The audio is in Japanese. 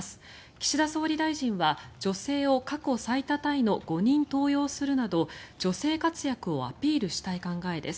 岸田総理大臣は、女性を過去最多タイの５人登用するなど女性活躍をアピールしたい考えです。